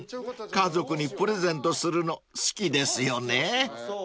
家族にプレゼントするの好きですよね］